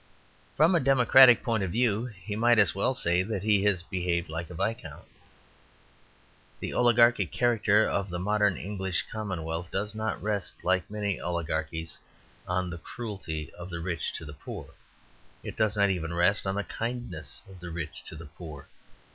From a democratic point of view he might as well say that he had behaved like a viscount. The oligarchic character of the modern English commonwealth does not rest, like many oligarchies, on the cruelty of the rich to the poor. It does not even rest on the kindness of the rich to the poor.